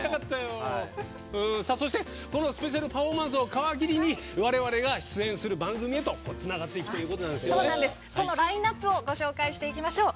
そして、このスペシャルパフォーマンスを皮切りにわれわれが出演する番組へとつながっていくそのラインナップをご紹介しましょう。